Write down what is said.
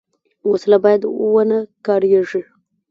وسله باید ونهکارېږي